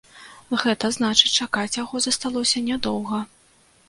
Гэта значыць, чакаць яго засталося нядоўга.